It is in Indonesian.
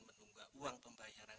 menunggu uang pembayaran